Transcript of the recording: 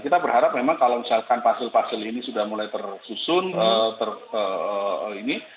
kita berharap memang kalau misalkan pasil pasil ini sudah mulai tersusun